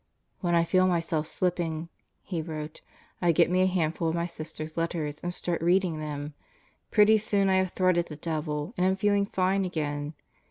"When I feel myself slipping," he wrote, "I get me a handful of my sisters' letters and start reading them. Pretty soon I have thwarted the devil and am feeling fine again.